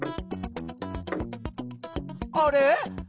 あれ？